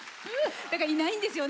いないんですよね